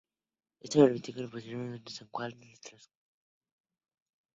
Esto permitió la posterior fundación de San Miguel de Tucumán.